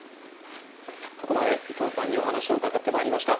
ここまで伊藤さんにお話を伺ってまいりました。